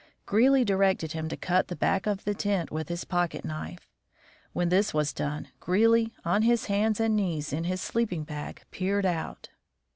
Greely directed him to cut the back out of the tent with his pocket knife. When this was done, Greely on his hands and knees in his sleeping bag peered out.